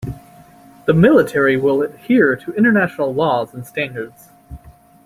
The Military will adhere to international laws and standards.